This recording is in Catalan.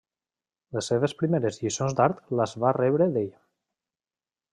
Les seves primeres lliçons d'art las va rebre d'ell.